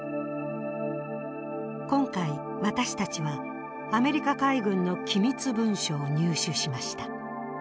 今回私たちはアメリカ海軍の機密文書を入手しました。